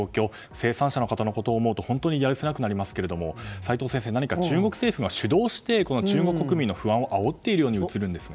生産者の方のことを思うとやるせなくなりますけど齋藤先生何か中国政府が主導して中国国民の不安をあおっている気もするんですが。